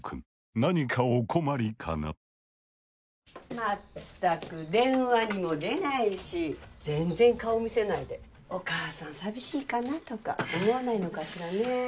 まったく電話にも出ないし全然顔見せないでお母さん寂しいかなとか思わないのかしらね。